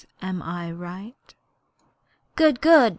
Am I right?' 'Good! good!'